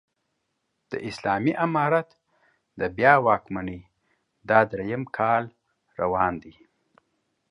د اسلامي امارت د بيا واکمنۍ دا درېيم کال روان دی